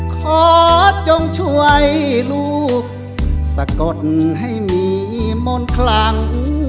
ขอจงช่วยลูกสะกดให้มีมนต์คลัง